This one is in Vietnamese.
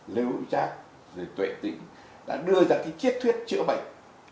lê hữu trác tuệ tĩnh đã đưa ra chiếc thuyết chữa bệnh